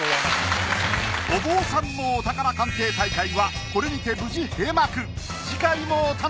お坊さんのお宝鑑定大会はこれにて無事閉幕さぁ